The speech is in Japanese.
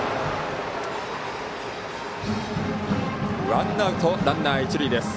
ワンアウト、ランナー、一塁です。